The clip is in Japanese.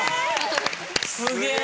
すげえ！